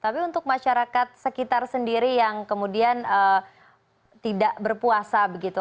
tapi untuk masyarakat sekitar sendiri yang kemudian tidak berpuasa begitu